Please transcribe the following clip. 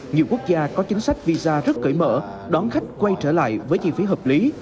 nhiều quốc gia có chính sách visa rất cởi mở đón khách quay trở lại với chi phí hợp lý